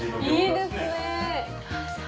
いいですね。